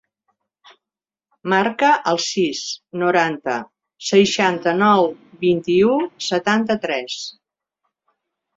Marca el sis, noranta, seixanta-nou, vint-i-u, setanta-tres.